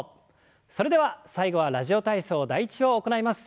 それでは最後は「ラジオ体操第１」を行います。